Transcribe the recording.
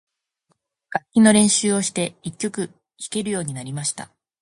楽器の練習をして、一曲弾けるようになりました。